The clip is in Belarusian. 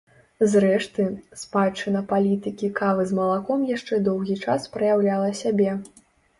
Зрэшты, спадчына палітыкі кавы з малаком яшчэ доўгі час праяўляла сябе.